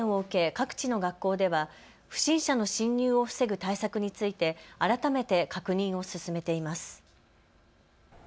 各地の学校では不審者の侵入を防ぐ対策について改めて確認を進めています。